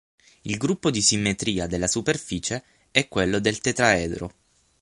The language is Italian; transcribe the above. Il gruppo di simmetria della superficie è quello del tetraedro.